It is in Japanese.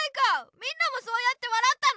みんなもそうやってわらったの！